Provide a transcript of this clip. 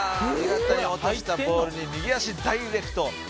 「落としたボールに右足ダイレクト」